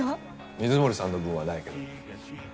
水森さんの分はないけど。